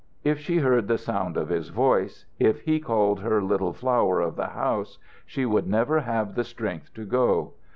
If she heard the sound of his voice, if he called her "little Flower of the House," she would never have the strength to go.